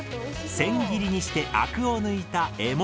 千切りにしてアクを抜いた「エモ」